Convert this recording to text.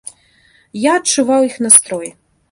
Я адчуваў іх настрой.